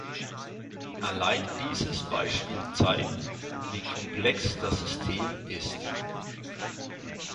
Allein dieses Beispiel zeigt, wie komplex das System ist.